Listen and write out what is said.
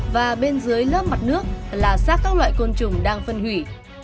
và bên dưới lớp mặt nước là sát các loại côn trùng đang phân hủy